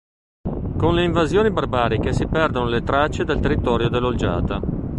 Con le invasioni barbariche si perdono le tracce del territorio dell’Olgiata.